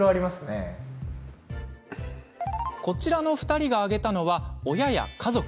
こちらの２人が挙げたのは親や家族。